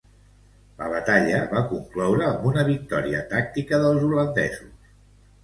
La batalla va concloure amb una victòria tàctica dels holandesos.